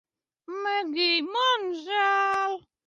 Megij, man žēl